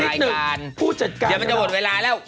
พูดจัดการเราเดี๋ยวมันจะหมดเวลาแล้ว